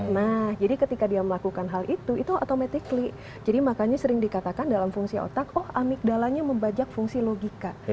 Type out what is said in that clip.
nah jadi ketika dia melakukan hal itu itu automatically jadi makanya sering dikatakan dalam fungsi otak oh amigdalanya membajak fungsi logika